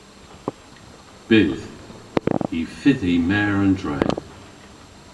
Bydh. Y fydh hi mer an dre.